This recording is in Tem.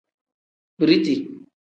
Biriti.